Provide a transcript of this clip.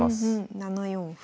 ７四歩。